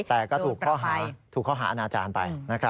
แต่ก็ถูกเข้าหาอาณาจารย์ไปนะครับ